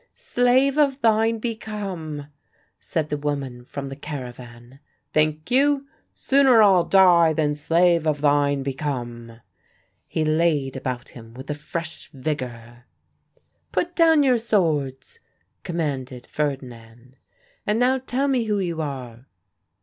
"Slave of thine become," said the woman from the caravan. "Thank you. Sooner I'll die than slave of thine become!" He laid about him with fresh vigour. "Put down your swords," commanded Ferdinand. "And now tell me who you are."